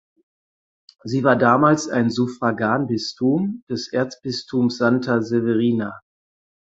Sie war damals ein Suffraganbistum des Erzbistums Santa Severina.